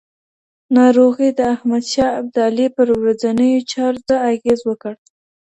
ناروغۍ د احمد شاه ابدالي پر ورځنیو چارو څه اغېز وکړ؟